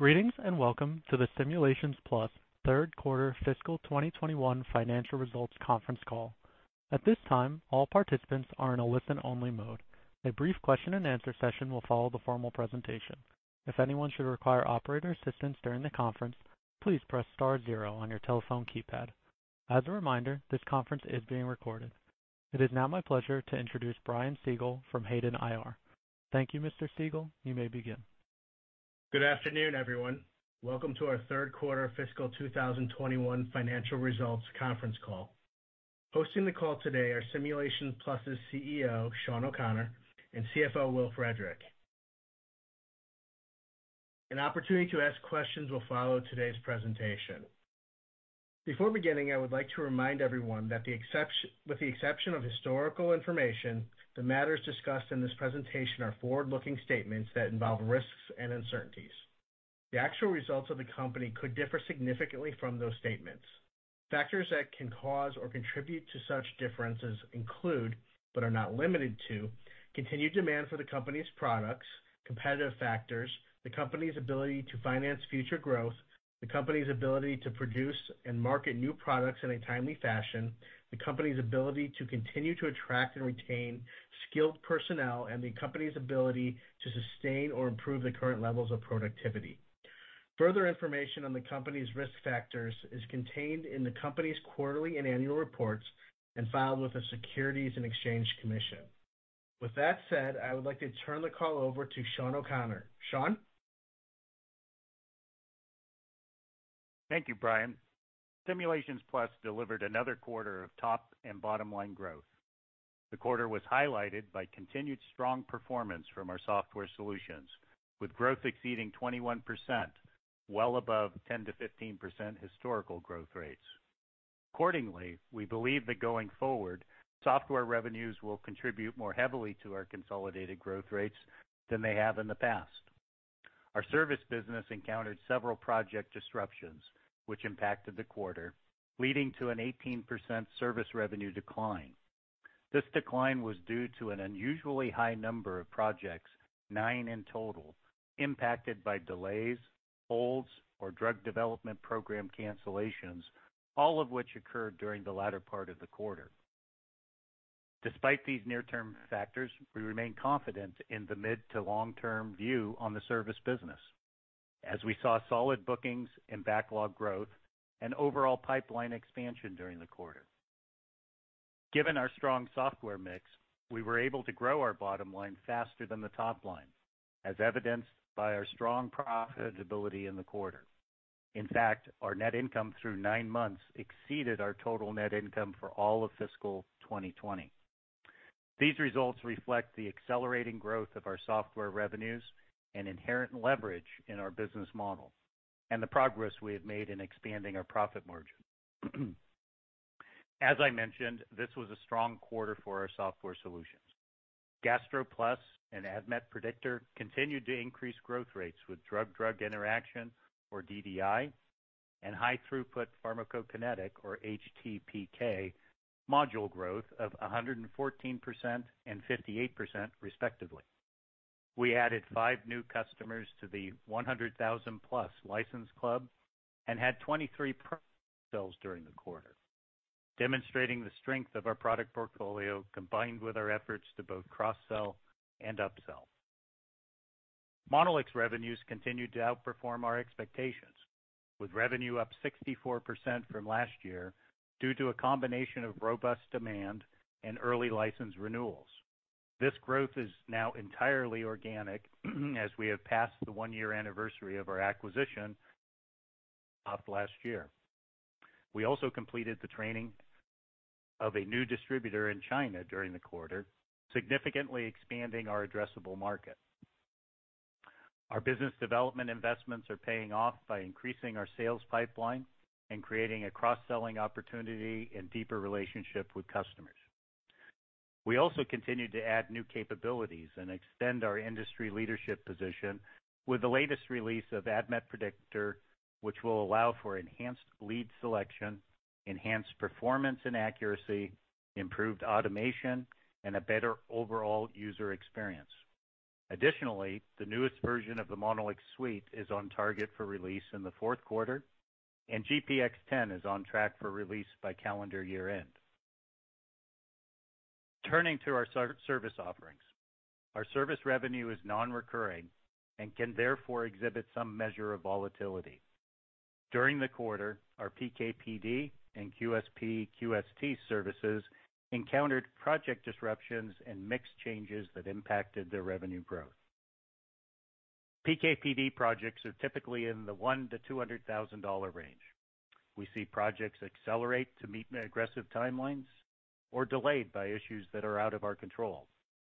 Greetings, and welcome to the Simulations Plus third quarter fiscal 2021 financial results conference call. At this time, all participants are in a listen-only mode. A brief question and answer session will follow the formal presentation. If anyone should require operator assistance during the conference, please press star zero on your telephone keypad. As a reminder, this conference is being recorded. It is now my pleasure to introduce Brian Siegel from Hayden IR. Thank you, Mr. Siegel. You may begin. Good afternoon, everyone. Welcome to our third quarter fiscal 2021 financial results conference call. Hosting the call today are Simulations Plus' CEO, Shawn O'Connor, and CFO, Will Frederick. An opportunity to ask questions will follow today's presentation. Before beginning, I would like to remind everyone that with the exception of historical information, the matters discussed in this presentation are forward-looking statements that involve risks and uncertainties. The actual results of the company could differ significantly from those statements. Factors that can cause or contribute to such differences include, but are not limited to, continued demand for the company's products, competitive factors, the company's ability to finance future growth, the company's ability to produce and market new products in a timely fashion, the company's ability to continue to attract and retain skilled personnel, and the company's ability to sustain or improve the current levels of productivity. Further information on the company's risk factors is contained in the company's quarterly and annual reports and filed with the Securities and Exchange Commission. With that said, I would like to turn the call over to Shawn O'Connor. Shawn? Thank you, Brian. Simulations Plus delivered another quarter of top and bottom-line growth. The quarter was highlighted by continued strong performance from our software solutions, with growth exceeding 21%, well above 10%-15% historical growth rates. Accordingly, we believe that going forward, software revenues will contribute more heavily to our consolidated growth rates than they have in the past. Our service business encountered several project disruptions which impacted the quarter, leading to an 18% service revenue decline. This decline was due to an unusually high number of projects, nine in total, impacted by delays, holds, or drug development program cancellations, all of which occurred during the latter part of the quarter. Despite these near-term factors, we remain confident in the mid to long-term view on the service business as we saw solid bookings and backlog growth and overall pipeline expansion during the quarter. Given our strong software mix, we were able to grow our bottom line faster than the top line, as evidenced by our strong profitability in the quarter. In fact, our net income through nine months exceeded our total net income for all of fiscal 2020. These results reflect the accelerating growth of our software revenues and inherent leverage in our business model and the progress we have made in expanding our profit margin. As I mentioned, this was a strong quarter for our software solutions. GastroPlus and ADMET Predictor continued to increase growth rates with drug-drug interaction, or DDI, and high-throughput pharmacokinetic, or HTPK, module growth of 114% and 58%, respectively. We added five new customers to the 100,000-plus license club and had 23 sales during the quarter, demonstrating the strength of our product portfolio combined with our efforts to both cross-sell and upsell. Monolix revenues continued to outperform our expectations, with revenue up 64% from last year due to a combination of robust demand and early license renewals. This growth is now entirely organic as we have passed the one year anniversary of our acquisition of last year. We also completed the training of a new distributor in China during the quarter, significantly expanding our addressable market. Our business development investments are paying off by increasing our sales pipeline and creating a cross-selling opportunity and deeper relationship with customers. We also continue to add new capabilities and extend our industry leadership position with the latest release of ADMET Predictor, which will allow for enhanced lead selection, enhanced performance and accuracy, improved automation, and a better overall user experience. The newest version of the MonolixSuite is on target for release in the fourth quarter, and GPX10 is on track for release by calendar year-end. Turning to our service offerings. Our service revenue is non-recurring and can therefore exhibit some measure of volatility. During the quarter, our PK/PD and QSP/QST services encountered project disruptions and mix changes that impacted their revenue growth. PK/PD projects are typically in the one to $200,000 range. We see projects accelerate to meet aggressive timelines or delayed by issues that are out of our control.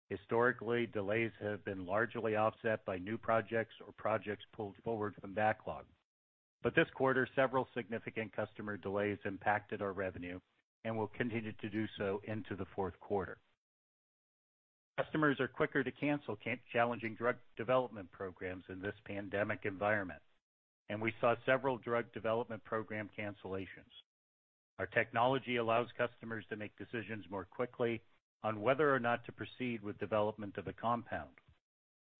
Historically, delays have been largely offset by new projects or projects pulled forward from backlogs. This quarter, several significant customer delays impacted our revenue and will continue to do so into the fourth quarter. Customers are quicker to cancel challenging drug development programs in this pandemic environment. We saw several drug development program cancellations. Our technology allows customers to make decisions more quickly on whether or not to proceed with development of a compound.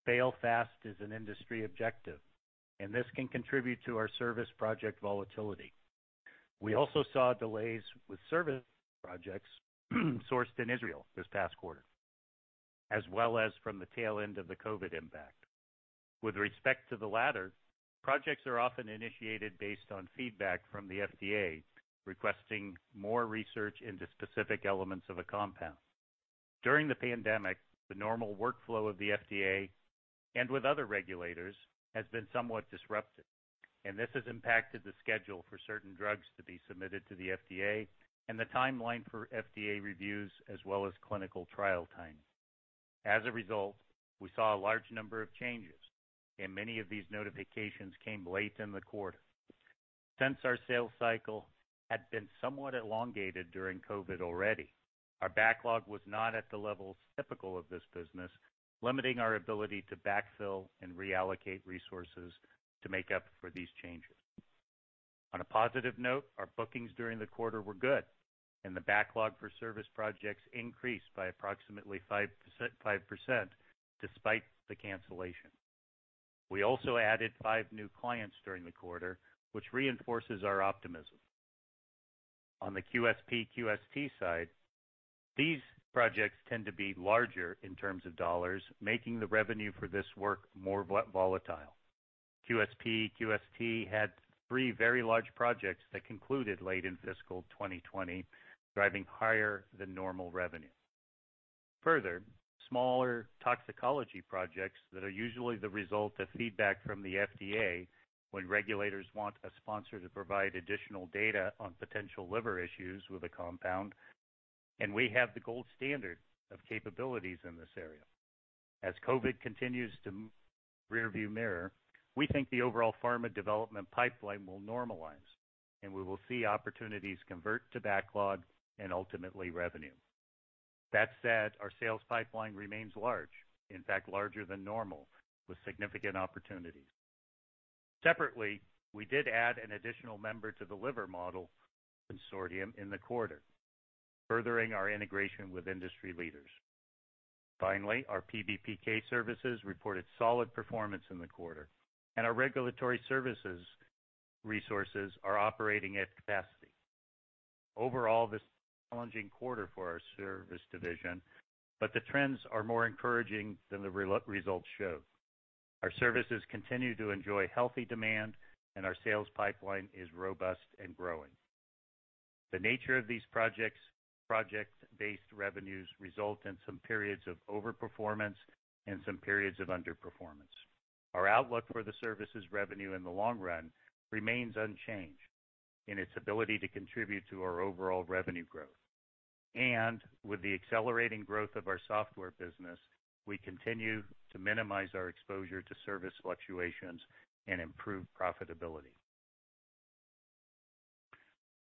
Fail fast is an industry objective. This can contribute to our service project volatility. We also saw delays with service projects sourced in Israel this past quarter, as well as from the tail end of the COVID impact. With respect to the latter, projects are often initiated based on feedback from the FDA requesting more research into specific elements of a compound. During the pandemic, the normal workflow of the FDA and with other regulators has been somewhat disrupted. This has impacted the schedule for certain drugs to be submitted to the FDA and the timeline for FDA reviews, as well as clinical trial timing. As a result, we saw a large number of changes, and many of these notifications came late in the quarter. Since our sales cycle had been somewhat elongated during COVID already, our backlog was not at the levels typical of this business, limiting our ability to backfill and reallocate resources to make up for these changes. On a positive note, our bookings during the quarter were good, and the backlog for service projects increased by approximately 5% despite the cancellation. We also added five new clients during the quarter, which reinforces our optimism. On the QSP/QST side, these projects tend to be larger in terms of dollars, making the revenue for this work more volatile. QSP/QST had three very large projects that concluded late in fiscal 2020, driving higher than normal revenue. Further, smaller toxicology projects that are usually the result of feedback from the FDA when regulators want a sponsor to provide additional data on potential liver issues with a compound, and we have the gold standard of capabilities in this area. As COVID continues to move to the rearview mirror, we think the overall pharma development pipeline will normalize, and we will see opportunities convert to backlog and ultimately revenue. That said, our sales pipeline remains large, in fact, larger than normal, with significant opportunities. Separately, we did add an additional member to the liver model consortium in the quarter, furthering our integration with industry leaders. Finally, our PBPK Services reported solid performance in the quarter, and our regulatory services resources are operating at capacity. Overall, this was a challenging quarter for our service division, but the trends are more encouraging than the results show. Our services continue to enjoy healthy demand, and our sales pipeline is robust and growing. The nature of these project-based revenues result in some periods of over-performance and some periods of under-performance. Our outlook for the services revenue in the long run remains unchanged in its ability to contribute to our overall revenue growth. With the accelerating growth of our software business, we continue to minimize our exposure to service fluctuations and improve profitability.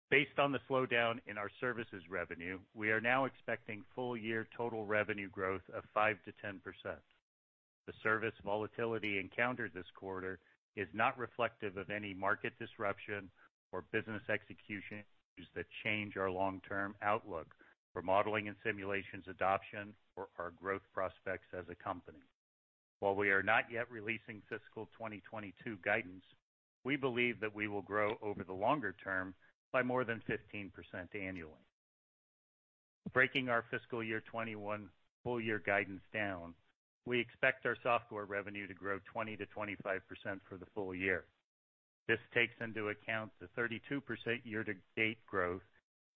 Based on the slowdown in our services revenue, we are now expecting full-year total revenue growth of 5%-10%. The service volatility encountered this quarter is not reflective of any market disruption or business execution issues that change our long-term outlook for modeling and simulations adoption or our growth prospects as a company. While we are not yet releasing fiscal 2022 guidance, we believe that we will grow over the longer term by more than 15% annually. Breaking our fiscal year 2021 full-year guidance down, we expect our software revenue to grow 20%-25% for the full year. This takes into account the 32% year-to-date growth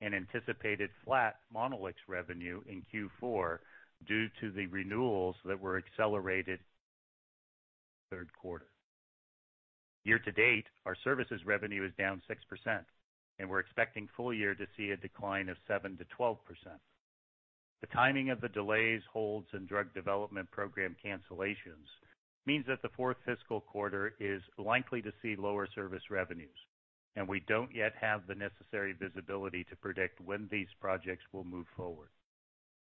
and anticipated flat Monolix revenue in Q4 due to the renewals that were accelerated in the third quarter. Year-to-date, our services revenue is down 6%, and we're expecting full year to see a decline of 7%-12%. The timing of the delays, holds, and drug development program cancellations means that the fourth fiscal quarter is likely to see lower service revenues, and we don't yet have the necessary visibility to predict when these projects will move forward.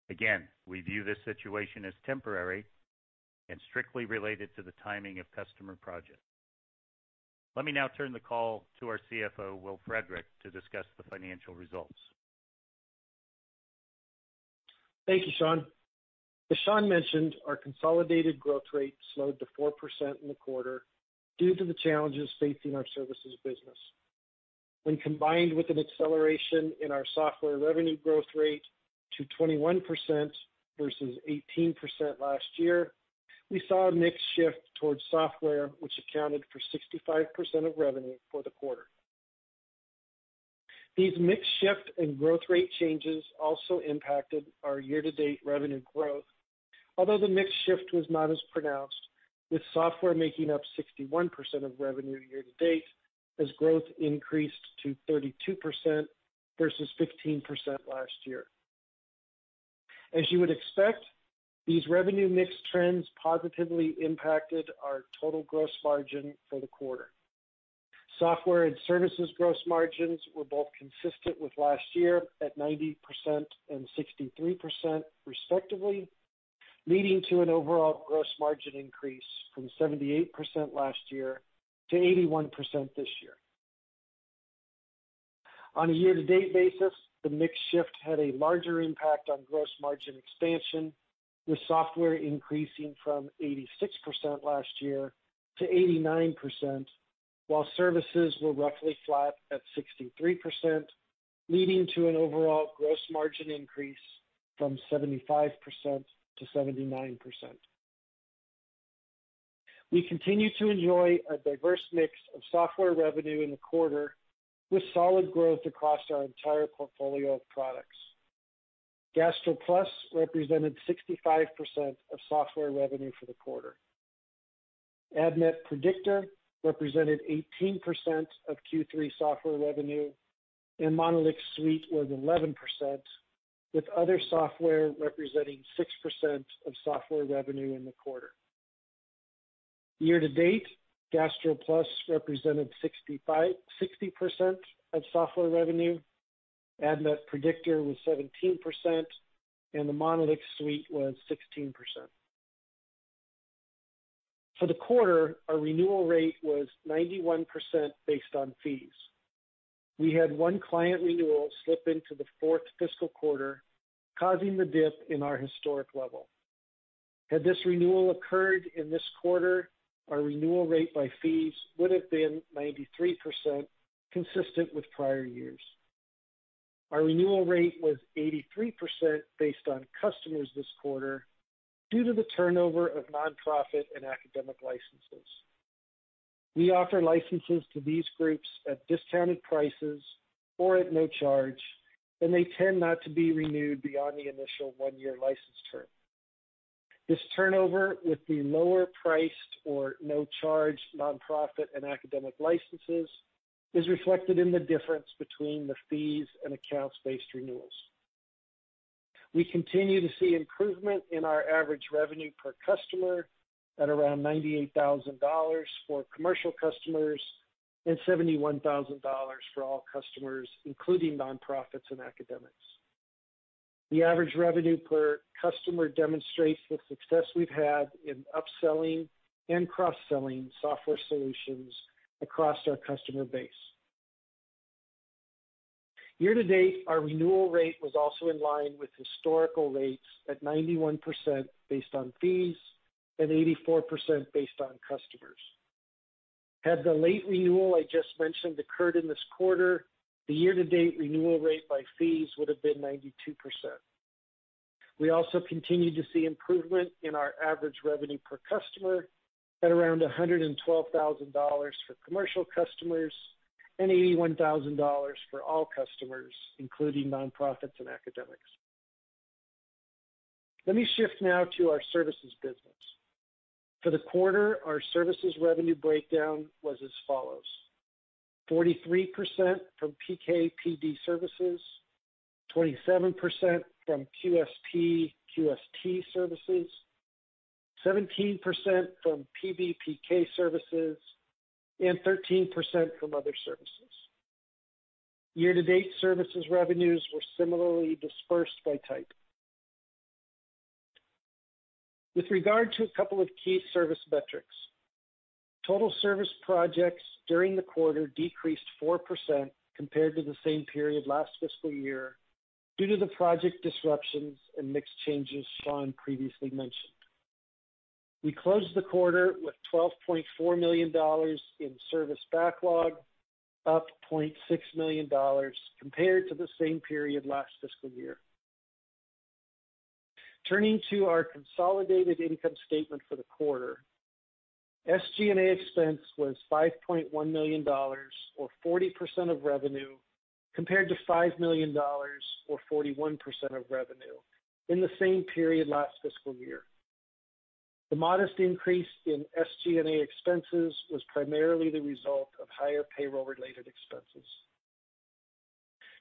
Again, we view this situation as temporary and strictly related to the timing of customer projects. Let me now turn the call to our CFO, Will Frederick, to discuss the financial results. Thank you, Shawn. As Shawn mentioned, our consolidated growth rate slowed to 4% in the quarter due to the challenges facing our services business. When combined with an acceleration in our software revenue growth rate to 21% versus 18% last year, we saw a mix shift towards software, which accounted for 65% of revenue for the quarter. These mix shift and growth rate changes also impacted our year-to-date revenue growth. Although the mix shift was not as pronounced, with software making up 61% of revenue year-to-date, as growth increased to 32% versus 15% last year. As you would expect, these revenue mix trends positively impacted our total gross margin for the quarter. Software and services gross margins were both consistent with last year at 90% and 63%, respectively, leading to an overall gross margin increase from 78% last year to 81% this year. On a year-to-date basis, the mix shift had a larger impact on gross margin expansion, with software increasing from 86% last year to 89%, while services were roughly flat at 63%, leading to an overall gross margin increase from 75% to 79%. We continue to enjoy a diverse mix of software revenue in the quarter, with solid growth across our entire portfolio of products. GastroPlus represented 65% of software revenue for the quarter. ADMET Predictor represented 18% of Q3 software revenue, and MonolixSuite was 11%, with other software representing 6% of software revenue in the quarter. Year-to-date, GastroPlus represented 60% of software revenue, ADMET Predictor was 17%, and the MonolixSuite was 16%. For the quarter, our renewal rate was 91% based on fees. We had one client renewal slip into the fourth fiscal quarter, causing the dip in our historic level. Had this renewal occurred in this quarter, our renewal rate by fees would have been 93%, consistent with prior years. Our renewal rate was 83% based on customers this quarter due to the turnover of nonprofit and academic licenses. We offer licenses to these groups at discounted prices or at no charge, and they tend not to be renewed beyond the initial one year license term. This turnover with the lower-priced or no-charge nonprofit and academic licenses is reflected in the difference between the fees and accounts-based renewals. We continue to see improvement in our average revenue per customer at around $98,000 for commercial customers and $71,000 for all customers, including nonprofits and academics. The average revenue per customer demonstrates the success we've had in upselling and cross-selling software solutions across our customer base. Year-to-date, our renewal rate was also in line with historical rates at 91% based on fees and 84% based on customers. Had the late renewal I just mentioned occurred in this quarter, the year-to-date renewal rate by fees would have been 92%. We also continue to see improvement in our average revenue per customer at around $112,000 for commercial customers and $81,000 for all customers, including nonprofits and academics. Let me shift now to our services business. For the quarter, our services revenue breakdown was as follows: 43% from PK/PD Services, 27% from QSP/QST Services, 17% from PBPK Services, and 13% from other services. Year-to-date services revenues were similarly dispersed by type. With regard to a couple of key service metrics, total service projects during the quarter decreased 4% compared to the same period last fiscal year due to the project disruptions and mix changes Shawn previously mentioned. We closed the quarter with $12.4 million in service backlog, up to $0.6 million compared to the same period last fiscal year. Turning to our consolidated income statement for the quarter, SG&A expense was $5.1 million, or 40% of revenue, compared to $5 million, or 41% of revenue, in the same period last fiscal year. The modest increase in SG&A expenses was primarily the result of higher payroll-related expenses.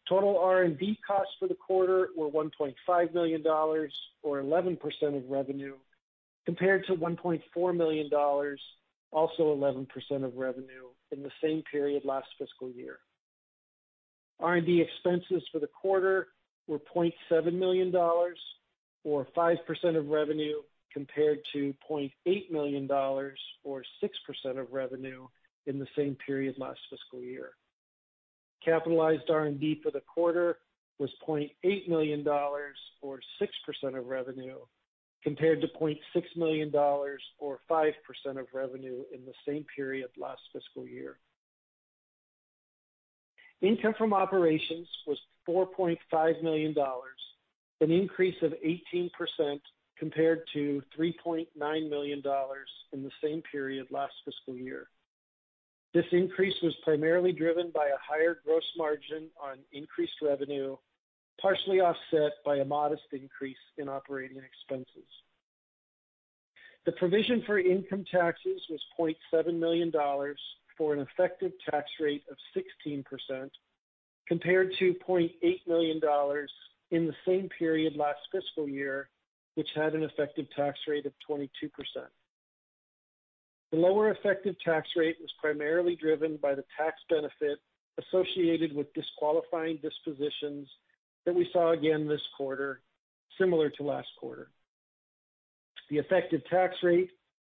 Total R&D costs for the quarter were $1.5 million, or 11% of revenue, compared to $1.4 million, also 11% of revenue, in the same period last fiscal year. R&D expenses for the quarter were $0.7 million, or 5% of revenue, compared to $0.8 million, or 6% of revenue, in the same period last fiscal year. Capitalized R&D for the quarter was $0.8 million, or 6% of revenue, compared to $0.6 million, or 5% of revenue, in the same period last fiscal year. Income from operations was $4.5 million, an increase of 18% compared to $3.9 million in the same period last fiscal year. This increase was primarily driven by a higher gross margin on increased revenue, partially offset by a modest increase in operating expenses. The provision for income taxes was $0.7 million for an effective tax rate of 16%, compared to $0.8 million in the same period last fiscal year, which had an effective tax rate of 22%. The lower effective tax rate was primarily driven by the tax benefit associated with disqualifying dispositions that we saw again this quarter, similar to last quarter. The effective tax rate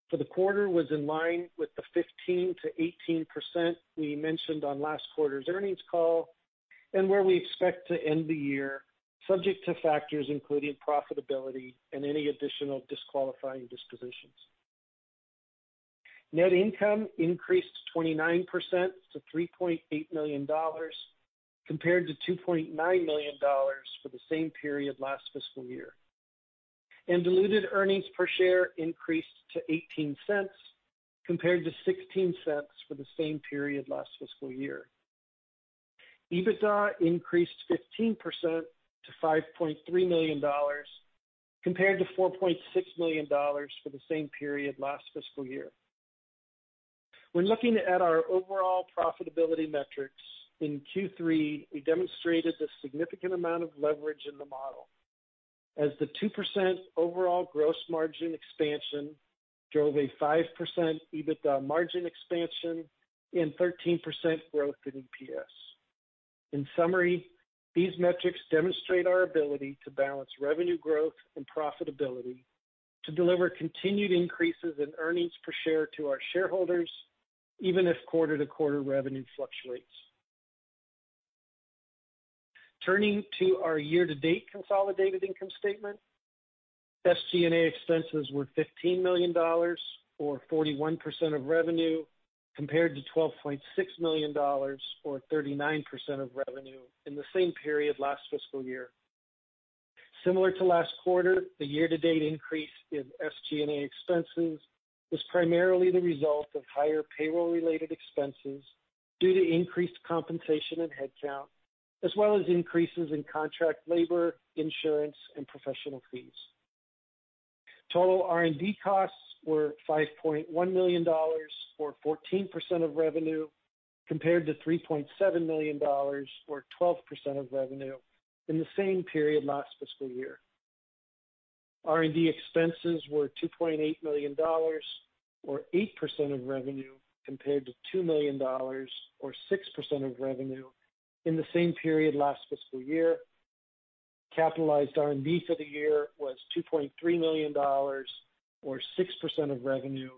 for the quarter was in line with the 15%-18% we mentioned on last quarter's earnings call, and where we expect to end the year, subject to factors including profitability and any additional disqualifying dispositions. Net income increased 29% to $3.8 million, compared to $2.9 million for the same period last fiscal year. Diluted earnings per share increased to $0.18, compared to $0.16 for the same period last fiscal year. EBITDA increased 15% to $5.3 million, compared to $4.6 million for the same period last fiscal year. When looking at our overall profitability metrics in Q3, we demonstrated a significant amount of leverage in the model as the 2% overall gross margin expansion drove a 5% EBITDA margin expansion and 13% growth in EPS. In summary, these metrics demonstrate our ability to balance revenue growth and profitability to deliver continued increases in earnings per share to our shareholders, even if quarter-to-quarter revenue fluctuates. Turning to our year-to-date consolidated income statement, SG&A expenses were $15 million, or 41% of revenue, compared to $12.6 million, or 39% of revenue, in the same period last fiscal year. Similar to last quarter, the year-to-date increase in SG&A expenses was primarily the result of higher payroll-related expenses due to increased compensation and headcount, as well as increases in contract labor, insurance, and professional fees. Total R&D costs were $5.1 million, or 14% of revenue, compared to $3.7 million, or 12% of revenue, in the same period last fiscal year. R&D expenses were $2.8 million, or 8% of revenue, compared to $2 million, or 6% of revenue, in the same period last fiscal year. Capitalized R&D for the year was $2.3 million, or 6% of revenue,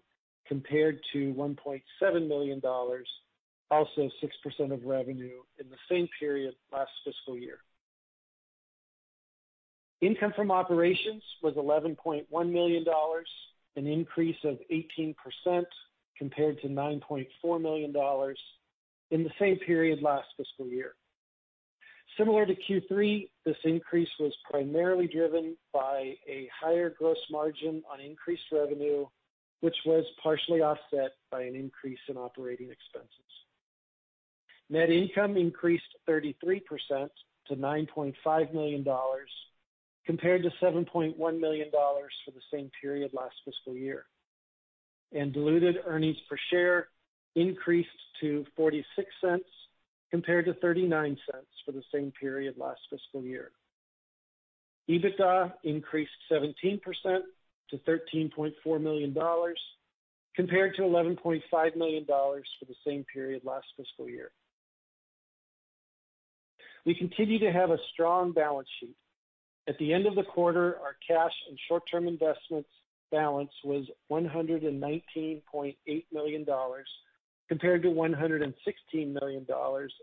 compared to $1.7 million, also 6% of revenue, in the same period last fiscal year. Income from operations was $11.1 million, an increase of 18%, compared to $9.4 million in the same period last fiscal year. Similar to Q3, this increase was primarily driven by a higher gross margin on increased revenue, which was partially offset by an increase in operating expenses. Net income increased 33% to $9.5 million, compared to $7.1 million for the same period last fiscal year. Diluted earnings per share increased to $0.46, compared to $0.39 for the same period last fiscal year. EBITDA increased 17% to $13.4 million, compared to $11.5 million for the same period last fiscal year. We continue to have a strong balance sheet. At the end of the quarter, our cash and short-term investments balance was $119.8 million, compared to $116 million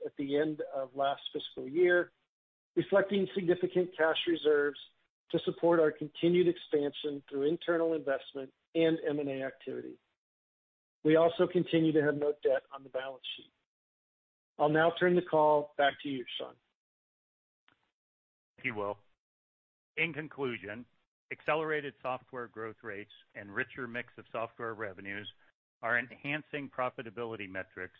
at the end of last fiscal year, reflecting significant cash reserves to support our continued expansion through internal investment and M&A activity. We also continue to have no debt on the balance sheet. I'll now turn the call back to you, Shawn. Thank you, Will. In conclusion, accelerated software growth rates and richer mix of software revenues are enhancing profitability metrics,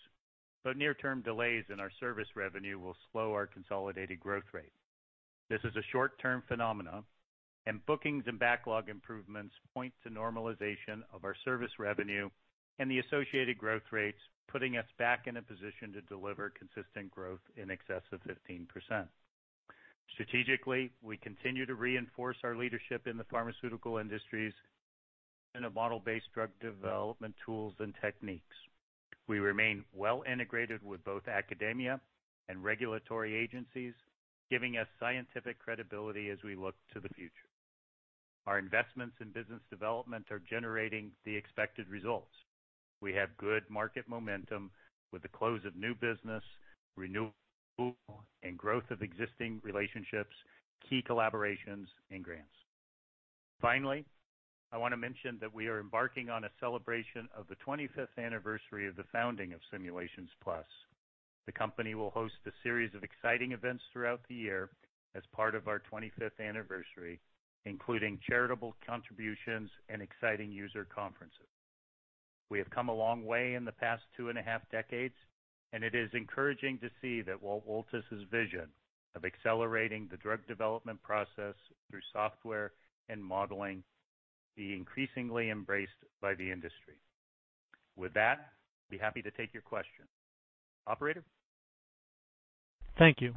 but near-term delays in our service revenue will slow our consolidated growth rate. This is a short-term phenomenon, and bookings and backlog improvements point to normalization of our service revenue and the associated growth rates, putting us back in a position to deliver consistent growth in excess of 15%. Strategically, we continue to reinforce our leadership in the pharmaceutical industries and the model-based drug development tools and techniques. We remain well integrated with both academia and regulatory agencies, giving us scientific credibility as we look to the future. Our investments in business development are generating the expected results. We have good market momentum with the close of new business, renewal, and growth of existing relationships, key collaborations, and grants. Finally, I want to mention that we are embarking on a celebration of the 25th anniversary of the founding of Simulations Plus. The company will host a series of exciting events throughout the year as part of our 25th anniversary, including charitable contributions and exciting user conferences. We have come a long way in the past two and a half decades. It is encouraging to see that Walt Woltosz' vision of accelerating the drug development process through software and modeling be increasingly embraced by the industry. With that, I'd be happy to take your questions. Operator? Thank you.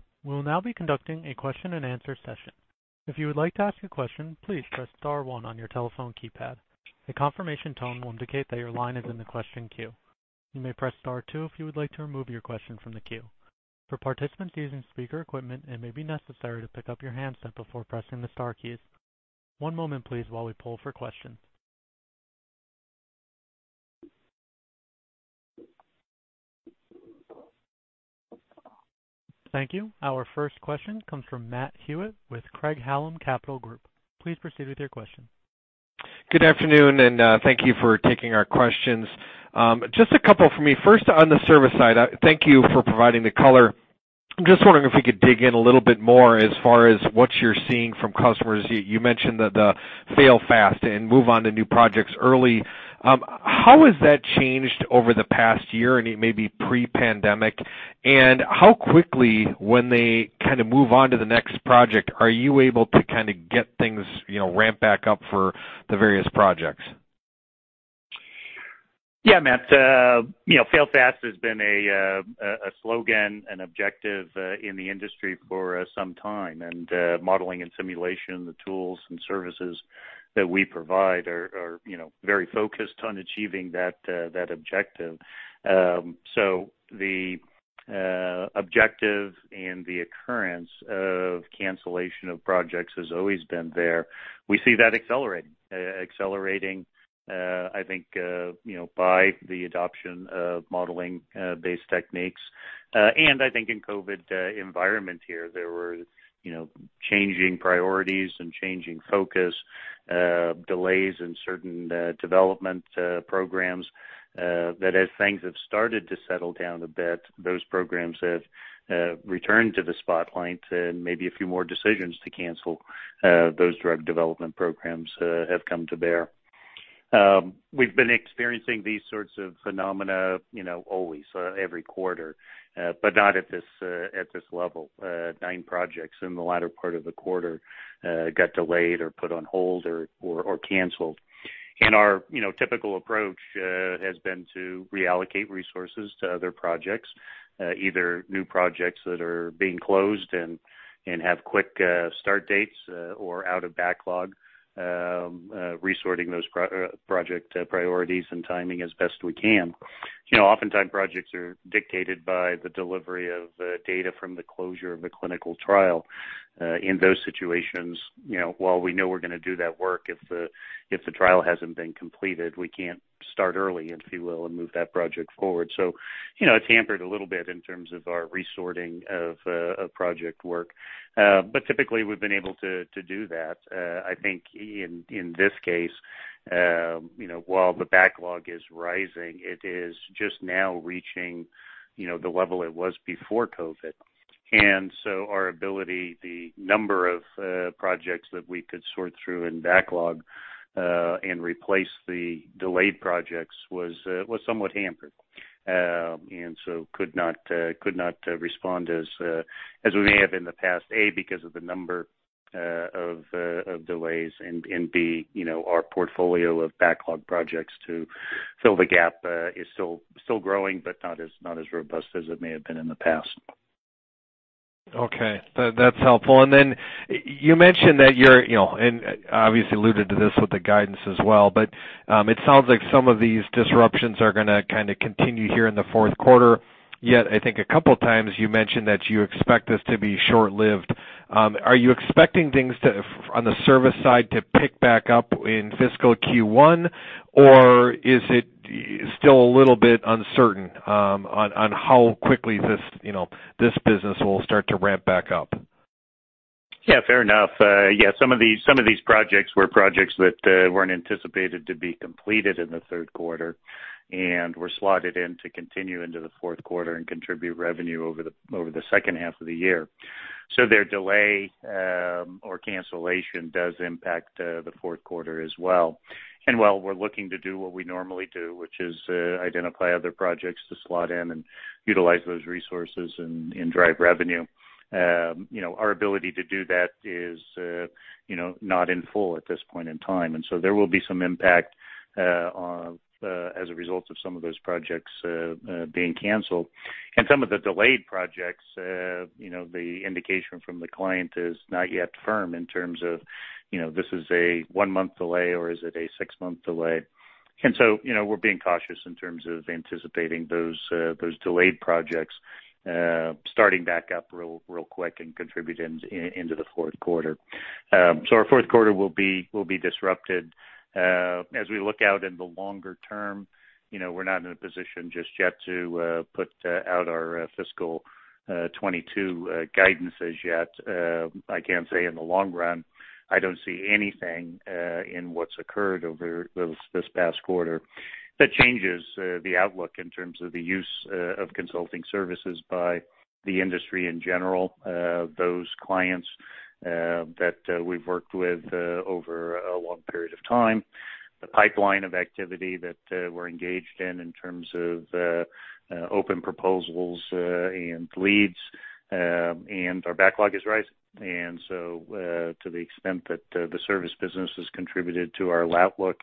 Thank you. Our first question comes from Matt Hewitt with Craig-Hallum Capital Group. Please proceed with your question. Good afternoon, and thank you for taking our questions. Just two from me. First, on the service side, thank you for providing the color. I'm just wondering if you could dig in a little bit more as far as what you're seeing from customers. You mentioned the fail fast and move on to new projects early. How has that changed over the past year and maybe pre-pandemic? How quickly when they kind of move on to the next project, are you able to kind of get things ramped back up for the various projects? Yeah, Matt. Fail fast has been a slogan and objective in the industry for some time, and modeling and simulation, the tools and services that we provide are very focused on achieving that objective. The objective and the occurrence of cancellation of projects has always been there. We see that accelerating, I think, by the adoption of modeling-based techniques. I think in COVID environment here, there were changing priorities and changing focus, delays in certain development programs, that as things have started to settle down a bit, those programs have returned to the spotlight and maybe a few more decisions to cancel those drug development programs have come to bear. We've been experiencing these sorts of phenomena always, every quarter, but not at this level. Nine projects in the latter part of the quarter got delayed or put on hold or canceled. Our typical approach has been to reallocate resources to other projects, either new projects that are being closed and have quick start dates or out of backlog, resorting those project priorities and timing as best we can. Oftentimes, projects are dictated by the delivery of data from the closure of a clinical trial. In those situations, while we know we're going to do that work, if the trial hasn't been completed, we can't start early, if you will, and move that project forward. Hampered a little bit in terms of our resorting of project work. Typically, we've been able to do that. I think in this case, while the backlog is rising, it is just now reaching the level it was before COVID. Our ability, the number of projects that we could sort through and backlog, and replace the delayed projects was somewhat hampered. Could not respond as we have in the past, A, because of the number of delays, and B, our portfolio of backlog projects to fill the gap is still growing, but not as robust as it may have been in the past. Okay. That's helpful. Then you mentioned that you're, and obviously alluded to this with the guidance as well, but it sounds like some of these disruptions are going to kind of continue here in the fourth quarter. I think a couple of times you mentioned that you expect this to be short-lived. Are you expecting things on the service side to pick back up in fiscal Q1, or is it still a little bit uncertain on how quickly this business will start to ramp back up? Yeah, fair enough. Some of these projects were projects that weren't anticipated to be completed in the third quarter and were slotted in to continue into the fourth quarter and contribute revenue over the second half of the year. Their delay or cancellation does impact the fourth quarter as well. While we're looking to do what we normally do, which is identify other projects to slot in and utilize those resources and drive revenue, our ability to do that is not in full at this point in time. There will be some impact as a result of some of those projects being canceled. Some of the delayed projects, the indication from the client is not yet firm in terms of this is a one month delay or is it a six month delay. We're being cautious in terms of anticipating those delayed projects starting back up real quick and contributing into the fourth quarter. Our fourth quarter will be disrupted. As we look out in the longer term, we're not in a position just yet to put out our fiscal 2022 guidance as yet. I can say in the long run, I don't see anything in what's occurred over this past quarter that changes the outlook in terms of the use of consulting services by the industry in general, those clients that we've worked with over a long period of time, the pipeline of activity that we're engaged in in terms of open proposals and leads, and our backlog is rising. To the extent that the service business has contributed to our outlook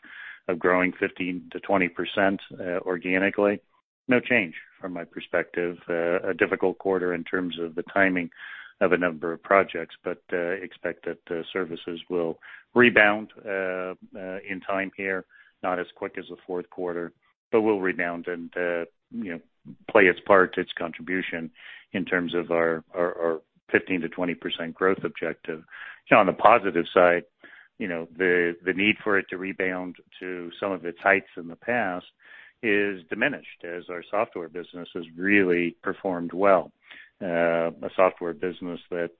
of growing 15%-20% organically. No change from my perspective. A difficult quarter in terms of the timing of a number of projects. Expect that the services will rebound in time here, not as quick as the fourth quarter, but will rebound and play its part, its contribution in terms of our 15%-20% growth objective. On the positive side, the need for it to rebound to some of the types in the past is diminished as our software business has really performed well. A software business that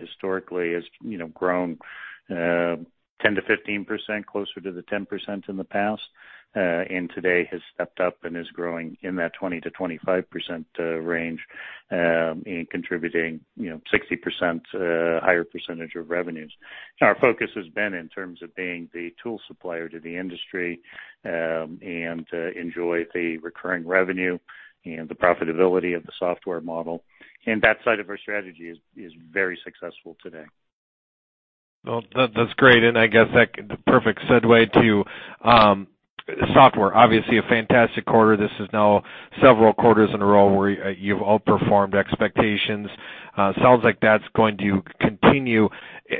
historically has grown 10%-15%, closer to the 10% in the past. Today has stepped up and is growing in that 20%-25% range and contributing 60% higher percentage of revenues. Our focus has been in terms of being the tool supplier to the industry and enjoy the recurring revenue and the profitability of the software model. That side of our strategy is very successful today. That's great. I guess the perfect segue to software, obviously a fantastic quarter. This is now several quarters in a row where you've outperformed expectations. Sounds like that's going to continue.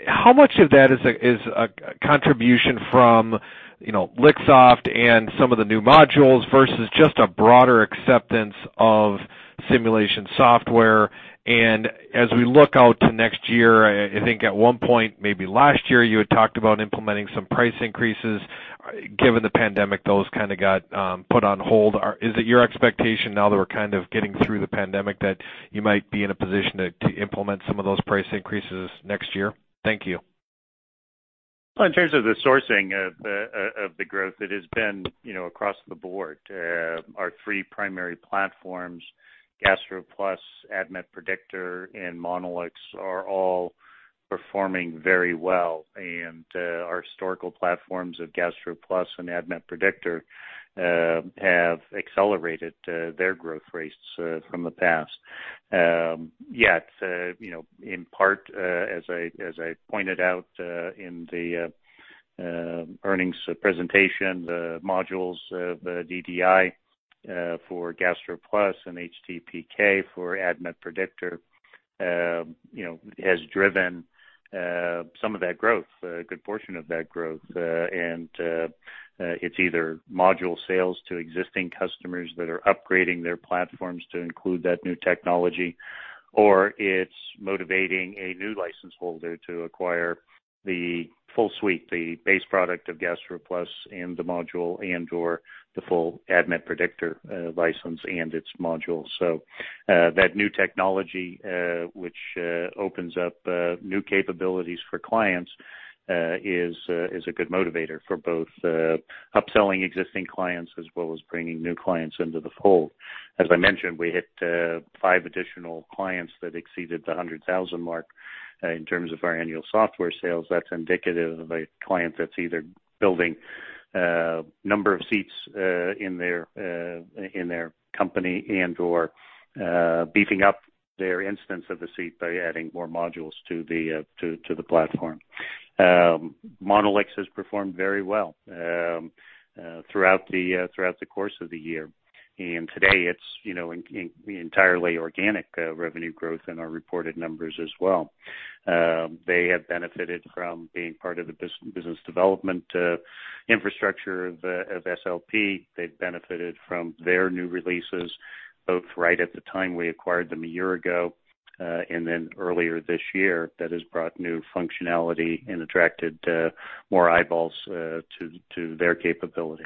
How much of that is a contribution from Lixoft and some of the new modules versus just a broader acceptance of simulation software? As we look out to next year, I think at one point maybe last year, you had talked about implementing some price increases. Given the pandemic, those got put on hold. Is it your expectation now that we're getting through the pandemic that you might be in a position to implement some of those price increases next year? Thank you. In terms of the sourcing of the growth, it has been across the board. Our three primary platforms, GastroPlus, ADMET Predictor, and Monolix are all performing very well. Our historical platforms of GastroPlus and ADMET Predictor have accelerated their growth rates from the past. In part, as I pointed out in the earnings presentation, the modules, the DDI for GastroPlus and HTPK for ADMET Predictor has driven some of that growth, a good portion of that growth. It's either module sales to existing customers that are upgrading their platforms to include that new technology, or it's motivating a new license holder to acquire the full suite, the base product of GastroPlus and the module and/or the full ADMET Predictor license and its module. That new technology which opens up new capabilities for clients is a good motivator for both upselling existing clients as well as bringing new clients into the fold. As I mentioned, we hit five additional clients that exceeded the $100,000 mark in terms of our annual software sales. That's indicative of a client that's either building a number of seats in their company and/or beefing up their instance of the seat by adding more modules to the platform. Monolix has performed very well throughout the course of the year. Today it's entirely organic revenue growth in our reported numbers as well. They have benefited from being part of the business development infrastructure of SLP. They've benefited from their new releases, both right at the time we acquired them a year ago and then earlier this year. That has brought new functionality and attracted more eyeballs to their capability.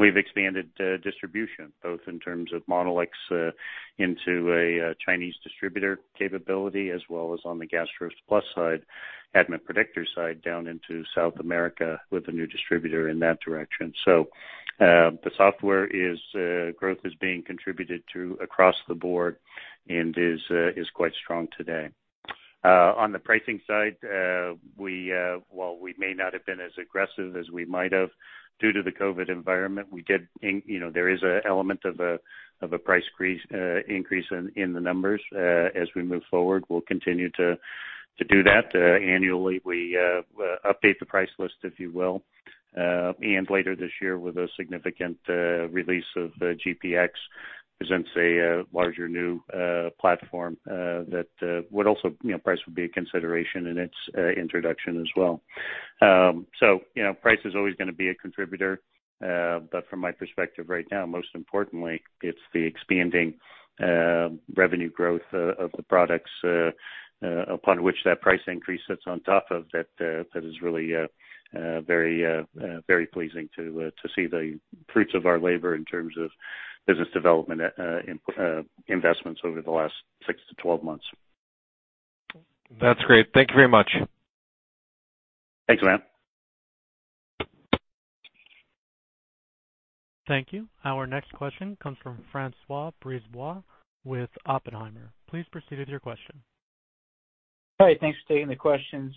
We've expanded distribution, both in terms of Monolix into a Chinese distributor capability, as well as on the GastroPlus side, ADMET Predictor side, down into South America with a new distributor in that direction. The software growth is being contributed to across the board and is quite strong today. On the pricing side, while we may not have been as aggressive as we might have due to the COVID environment, there is an element of a price increase in the numbers. As we move forward, we'll continue to do that. Annually, we update the price list, if you will. Later this year with a significant release of the GPX, presents a larger new platform that would also, price would be a consideration in its introduction as well. Price is always going to be a contributor. From my perspective right now, most importantly, it's the expanding revenue growth of the products upon which that price increase sits on top of that is really very pleasing to see the fruits of our labor in terms of business development investments over the last 6 to 12 months. That's great. Thank you very much. Thanks, Grant. Thank you. Our next question comes from Francois Brisebois with Oppenheimer. Please proceed with your question. All right. Thanks for taking the questions.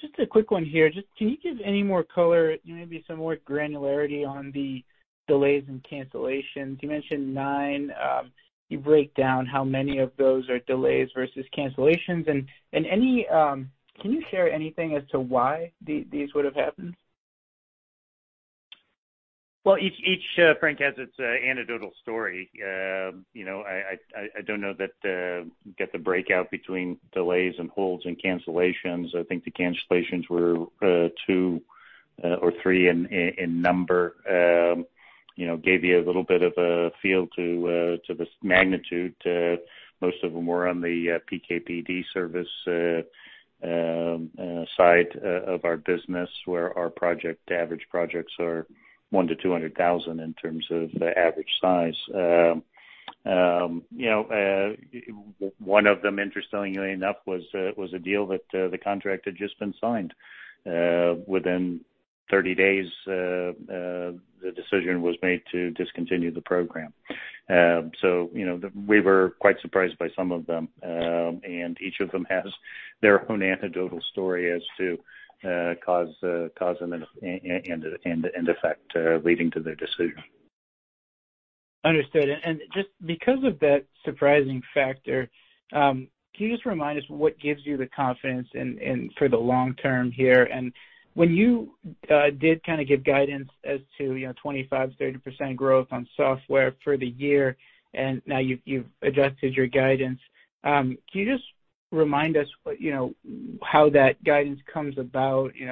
Just a quick one here. Can you give any more color, maybe some more granularity on the delays and cancellations? You mentioned nine. Can you break down how many of those are delays versus cancellations? Can you share anything as to why these would have happened? Well, each, Frank, has its own anecdotal story. I don't know that the breakout between delays and holds and cancellations, I think the cancellations were two or three in number. Gave you a little bit of a feel to the magnitude. Most of them were on the PKPD service side of our business, where our average projects are $1-$20,000 in terms of the average size. One of them, interestingly enough, was a deal that the contract had just been signed. Within 30 days, the decision was made to discontinue the program. We were quite surprised by some of them. Each of them has their own anecdotal story as to cause and effect leading to their decision. Understood. Just because of that surprising factor, can you just remind us what gives you the confidence for the long term here? When you did give guidance as to 25%-30% growth on software for the year, and now you've adjusted your guidance, can you just remind us how that guidance comes about? Is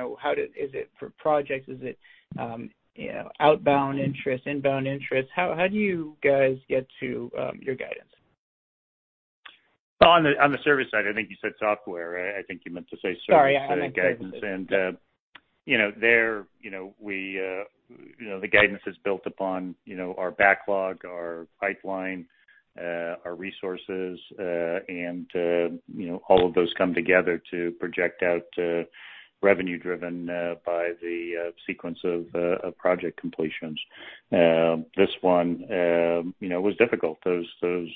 it for projects? Is it outbound interest, inbound interest? How do you guys get to your guidance? On the service side. I think you said software. I think you meant to say service-side guidance. Sorry, yeah. There, the guidance is built upon our backlog, our pipeline, our resources, and all of those come together to project out revenue driven by the sequence of project completions. This one was difficult. Those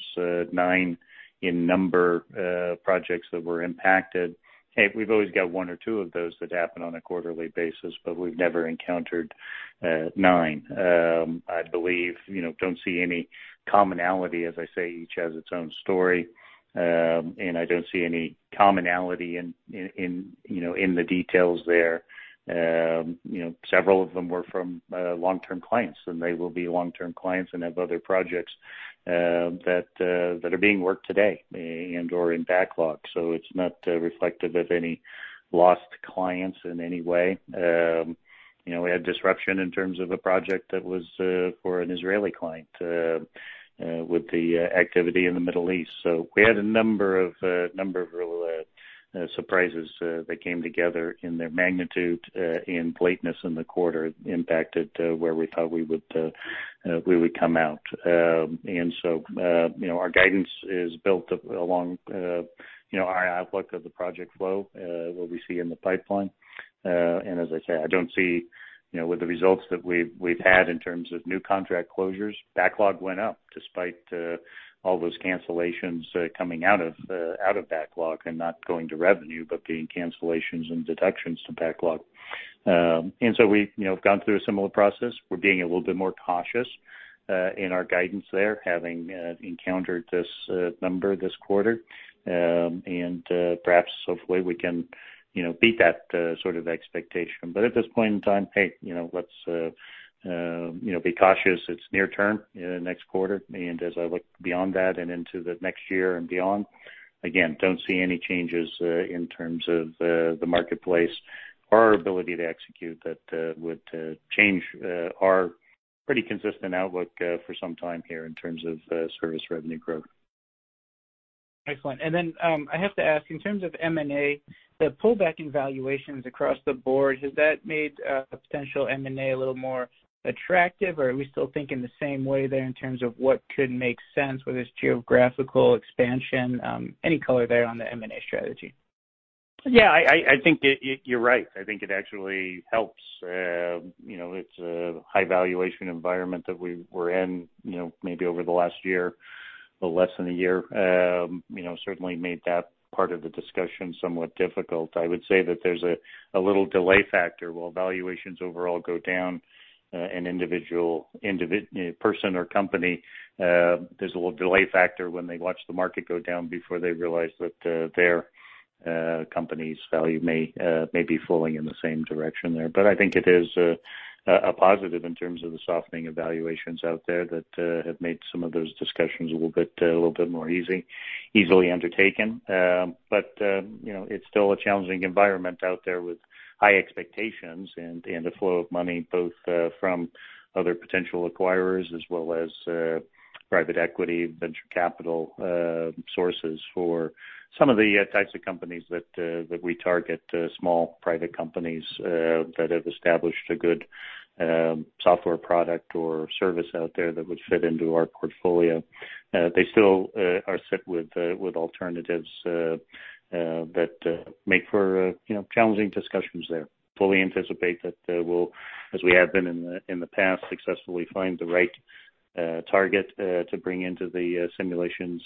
nine, in number, projects that were impacted. Hey, we've always got one or two of those that happen on a quarterly basis, but we've never encountered nine. I don't see any commonality. As I say, each has its own story. I don't see any commonality in the details there. Several of them were from long-term clients, and they will be long-term clients and have other projects that are being worked today and/or in backlog. It's not reflective of any lost clients in any way. We had disruption in terms of a project that was for an Israeli client with the activity in the Middle East. We had a number of surprises that came together in their magnitude and bluntness in the quarter impacted where we thought we would come out. Our guidance is built along our outlook of the project flow, what we see in the pipeline. As I say, I don't see with the results that we've had in terms of new contract closures, backlog went up despite all those cancellations coming out of backlog and not going to revenue, but being cancellations and deductions to backlog. We've gone through a similar process. We're being a little bit more cautious in our guidance there, having encountered this number this quarter. Perhaps hopefully we can beat that sort of expectation. At this point in time, hey, let's be cautious. It's near-term, next quarter. As I look beyond that and into the next year and beyond, again, don't see any changes in terms of the marketplace, our ability to execute that would change our pretty consistent outlook for some time here in terms of service revenue growth. Excellent. I have to ask in terms of M&A, the pullback in valuations across the board, has that made potential M&A a little more attractive, or are we still thinking the same way there in terms of what could make sense, whether it's geographical expansion? Any color there on the M&A strategy? Yeah, I think you're right. I think it actually helps. It's a high valuation environment that we were in maybe over the last year, but less than a year. Certainly made that part of the discussion somewhat difficult. I would say that there's a little delay factor. While valuations overall go down, an individual person or company, there's a little delay factor when they watch the market go down before they realize that their company's value may be falling in the same direction there. I think it is a positive in terms of the softening valuations out there that have made some of those discussions a little bit more easily undertaken. It's still a challenging environment out there with high expectations and the flow of money both from other potential acquirers as well as private equity, venture capital sources for some of the types of companies that we target, small private companies that have established a good software product or service out there that would fit into our portfolio. They still are sit with alternatives that make for challenging discussions there. Fully anticipate that they will, as we have been in the past, successfully find the right target to bring into the Simulations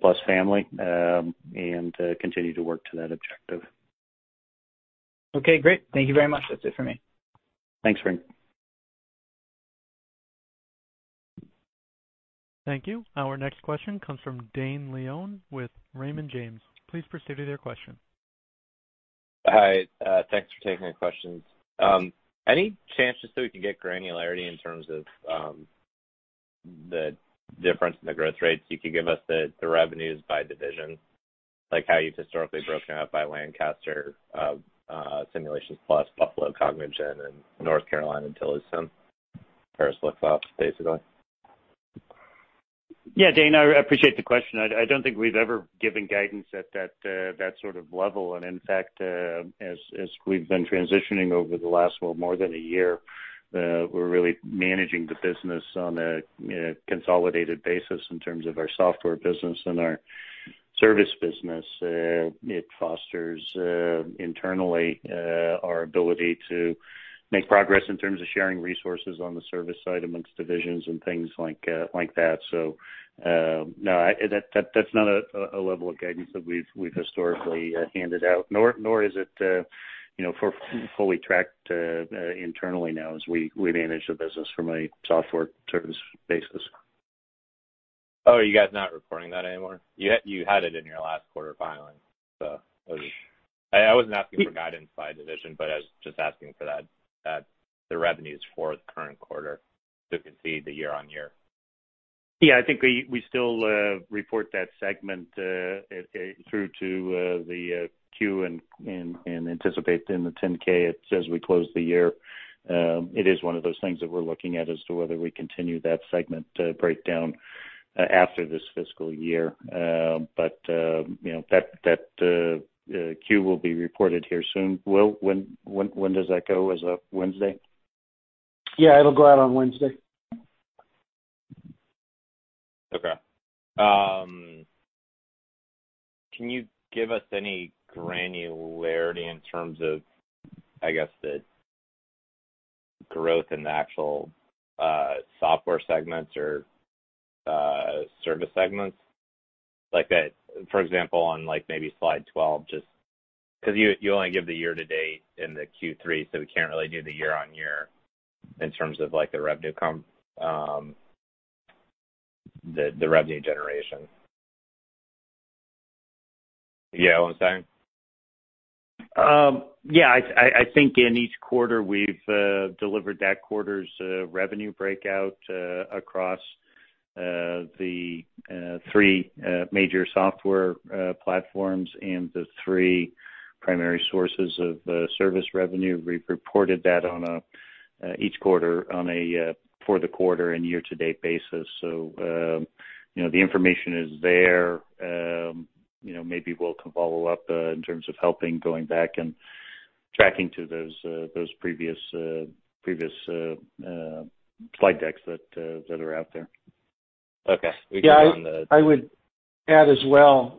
Plus family and continue to work to that objective. Okay, great. Thank you very much. That's it for me. Thanks, Frank. Thank you. Our next question comes from Dane Leone with Raymond James. Please proceed with your question. Hi. Thanks for taking my questions. Any chance just so we can get granularity in terms of the difference in the growth rates, you could give us the revenues by division, like how you've historically broken out by Lancaster, Simulations Plus, Buffalo Cognigen, and North Carolina DILIsym, Paris Lixoft basically? Yeah, Dane, I appreciate the question. I don't think we've ever given guidance at that sort of level. In fact, as we've been transitioning over the last, well, more than a year, we're really managing the business on a consolidated basis in terms of our software business and our service business. It fosters internally our ability to make progress in terms of sharing resources on the service side amongst divisions and things like that. No, that's not a level of guidance that we've historically handed out, nor is it fully tracked internally now as we manage the business from a software service basis. Oh, you guys not reporting that anymore? You had it in your last quarter filing. I wasn't asking for guidance by division, but I was just asking for the revenues for the current quarter so we can see the year-on-year. Yeah, I think we still report that segment through to the Q and anticipate in the 10-K as we close the year. It is one of those things that we're looking at as to whether we continue that segment breakdown after this fiscal year. That Q will be reported here soon. Will, when does that go? Is that Wednesday? Yeah, it'll go out on Wednesday. Okay. Can you give us any granularity in terms of, I guess, the growth in actual software segments or service segments? For example, on maybe slide 12, just because you only give the year-to-date in the Q3, so we can't really do the year-on-year in terms of the revenue generation. Yeah, one second. Yeah. I think in each quarter, we've delivered that quarter's revenue breakout across the three major software platforms and the three primary sources of service revenue. We've reported that on each quarter on a for the quarter and year-to-date basis. The information is there. Maybe Will can follow up in terms of helping going back and tracking to those previous slide decks that are out there. Okay. Yeah. I would add as well,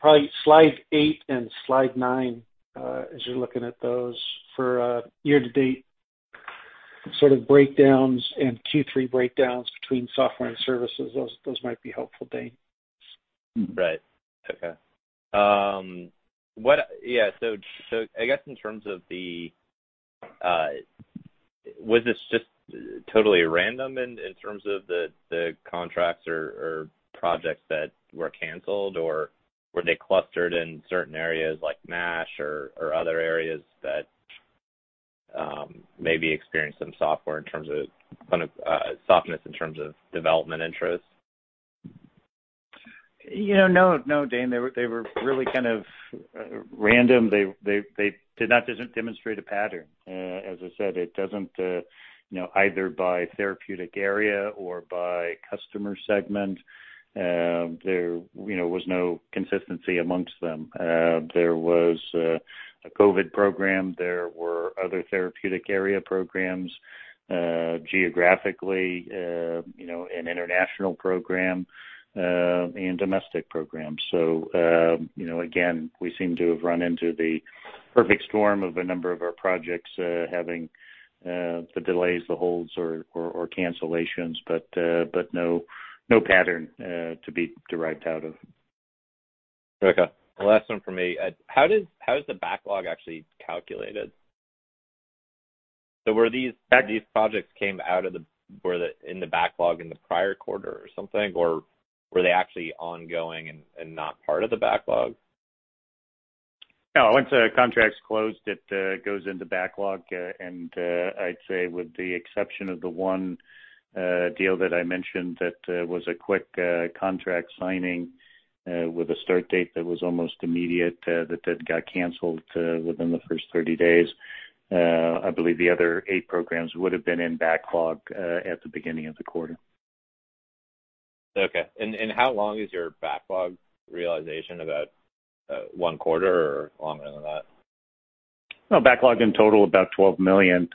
probably slide eight and slide nine, as you're looking at those for year-to-date sort of breakdowns and Q3 breakdowns between software and services, those might be helpful, Dane. Right. Okay. Was this just totally random in terms of the contracts or projects that were canceled, or were they clustered in certain areas like NASH or other areas that maybe experienced some softness in terms of development interest? No. Dane, they were really kind of random. They did not demonstrate a pattern. As I said, it doesn't, either by therapeutic area or by customer segment, there was no consistency amongst them. There was a COVID program, there were other therapeutic area programs geographically, an international program, and domestic programs. Again, we seem to have run into the perfect storm of a number of our projects having the delays, the holds, or cancellations, but no pattern to be derived out of. Okay. The last one for me. How is the backlog actually calculated? Were they in the backlog in the prior quarter or something, or were they actually ongoing and not part of the backlog? No. Once a contract's closed, it goes into backlog. I'd say with the exception of the one deal that I mentioned, that was a quick contract signing with a start date that was almost immediate, that then got canceled within the first 30 days. I believe the other eight programs would've been in backlog at the beginning of the quarter. Okay. How long is your backlog realization, about one quarter or longer than that? Backlog in total, about $12 million.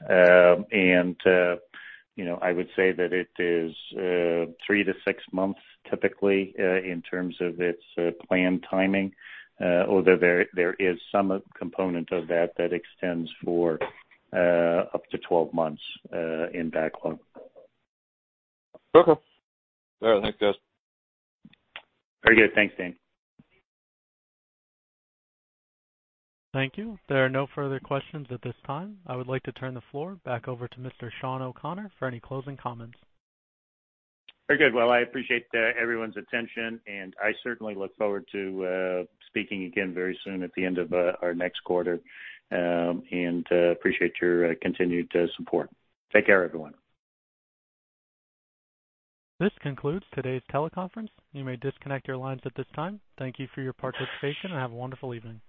I would say that it is three to six months typically in terms of its planned timing. Although there is some component of that that extends for up to 12 months in backlog. Okay. All right. Thanks, guys. Very good. Thanks, Dane. Thank you. There are no further questions at this time. I would like to turn the floor back over to Mr. Shawn O'Connor for any closing comments. Very good. Well, I appreciate everyone's attention, and I certainly look forward to speaking again very soon at the end of our next quarter. Appreciate your continued support. Take care, everyone. This concludes today's teleconference. You may disconnect your lines at this time. Thank you for your participation and have a wonderful evening.